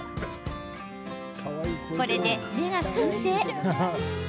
これで目が完成。